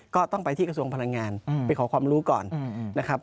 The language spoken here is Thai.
ก็ต้องไปที่กระทรวงพลังงานไปขอความรู้ก่อนนะครับ